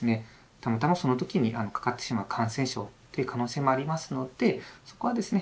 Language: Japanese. たまたまその時にかかってしまう感染症という可能性もありますのでそこはですね